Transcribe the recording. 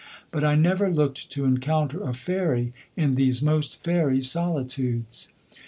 But I never looked to encounter a fairy in these most fairy solitudes.